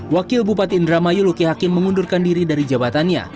wakil bupati indramayu luki hakim mengundurkan diri dari jabatannya